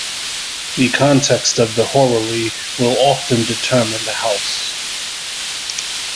The context of the horary will often determine the house.